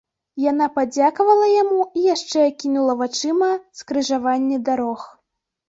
Яна падзякавала яму і яшчэ акінула вачыма скрыжаванне дарог.